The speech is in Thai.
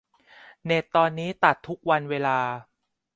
เน็ตตอนนี้ตัดทุกวันเวลา